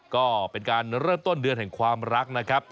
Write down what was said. ก็เป็นการเริ่มต้นเดือนแห่งความรักนะครับ